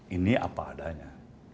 ini apa adanya